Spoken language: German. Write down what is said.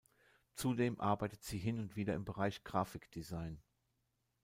Zudem arbeitet sie hin und wieder im Bereich Graphik-Design.